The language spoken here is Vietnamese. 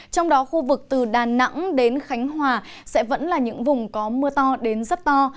trong đó khu vực từ đà nẵng đến khánh hòa sẽ vẫn là những vùng có mưa to đến rất to